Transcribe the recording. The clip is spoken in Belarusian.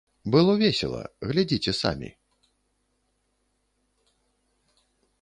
Было весела, глядзіце самі.